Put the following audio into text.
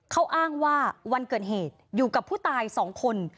เขาอ้างว่าวันเกิดเหตุอยู่กับผู้ตาย๒คน